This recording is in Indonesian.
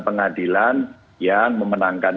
pengadilan yang memenangkan